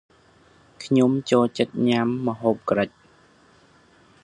ខ្ញុំចូលចិត្តញ៉ាំម្ហូបក្រិច ។